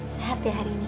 sehat ya hari ini